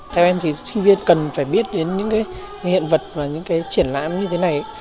theo em thì sinh viên cần phải biết đến những hiện vật và những triển lãm như thế này